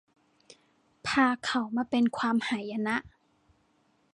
พาเขามาเป็นความหายนะ